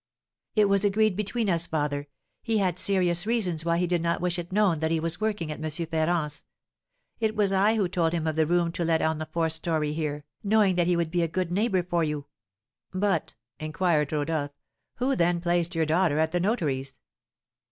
"It was agreed between us, father; he had serious reasons why he did not wish it known that he was working at M. Ferrand's. It was I who told him of the room to let on the fourth story here, knowing that he would be a good neighbour for you." "But," inquired Rodolph, "who, then, placed your daughter at the notary's?"